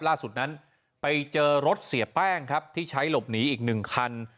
ล่าสุดนั้นไปเจอรถเสียแป้งครับที่ใช้หลบหนีอีกหนึ่งคัน